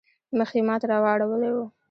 مخ يې ما ته رااړولی وو.